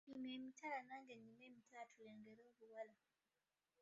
Yima emitala nange nnyime emitala tulengere obuwala.